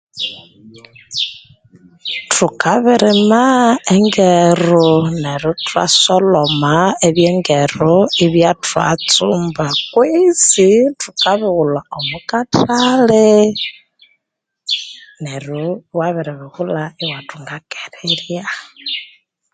Thukabirima engeru neryu ithwasoloma ebyengeru ibya thwatsumba kwesi thukabighula omokathale , neryo iwabiribighula iwathunga akerirya